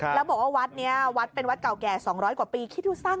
ทางผู้ชมพอเห็นแบบนี้นะทางผู้ชมพอเห็นแบบนี้นะ